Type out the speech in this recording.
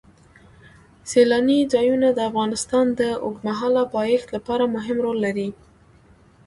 سیلانی ځایونه د افغانستان د اوږدمهاله پایښت لپاره مهم رول لري.